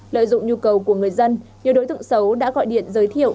lợi dụng nhu cầu của người dân nhiều đối tượng xấu đã gọi điện giới thiệu